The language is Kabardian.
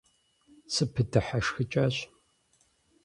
СыпыдыхьэшхыкӀащ.